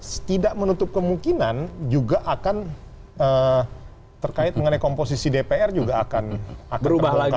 setidak menutup kemungkinan juga akan terkait mengenai komposisi dpr juga akan berubah